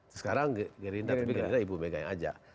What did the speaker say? sekarang gerinda tapi gerinda ibu mega yang ajak